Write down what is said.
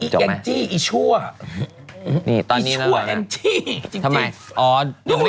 จบไหมนี่ตอนนี้แล้วนะทำไมอ๋อ